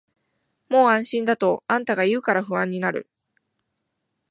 もう安心だとあんたが言うから不安になる